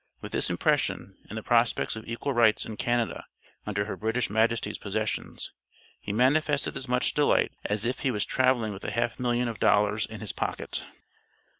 With this impression, and the prospects of equal rights and Canada, under her British Majesty's possessions, he manifested as much delight as if he was traveling with a half million of dollars in his pocket.